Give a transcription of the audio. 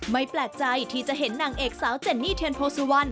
แปลกใจที่จะเห็นนางเอกสาวเจนนี่เทียนโพสุวรรณ